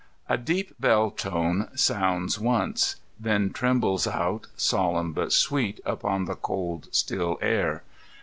A deep bell tone sounds, once; then trembles out, solenm but sweet, upon the cold, still air.